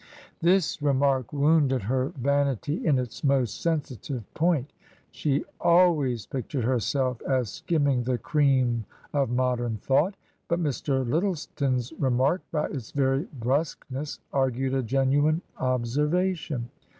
This remark wounded her vanity in its most sensitive point. She always pictured herself as skimming the cream of modern thought. But Mr. Lyttleton's remark by its very brusqueness argued a genuine observation.